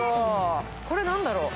これ、何だろう？